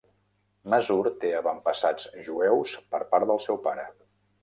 Mazur té avantpassats jueus per part del seu pare.